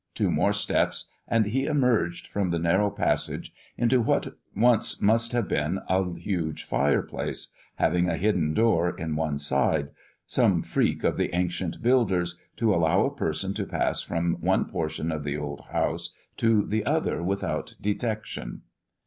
two more steps, and he emerged from the narrow passage into what once must have been a huge fireplace, having a hidden door in one side, some freak of the ancient builders, to allow a person to pass from one portion of the old house to the other without detection.